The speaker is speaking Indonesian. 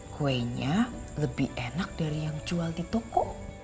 kuenya lebih enak dari yang jual di toko